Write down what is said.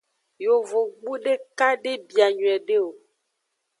Yovogbu deka de bia nyuiede o.